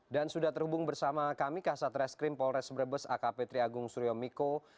dan sudah terhubung bersama kami kasat reskrim polres brebes akp triagung suryo miko